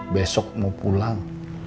besok mau pulang